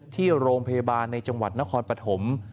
ที่โรงพยาบาลในจังหวัดนครปฐม